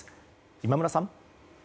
今村さん。